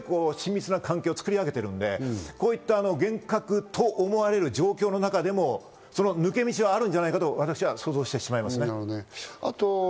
その間に親密な関係を作り上げているので、厳格と思われる状況の中でも抜け道があるんじゃないかと私は想像してしまいますね。